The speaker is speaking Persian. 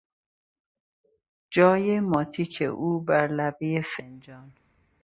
جای ماتیک او بر لبهی فنجان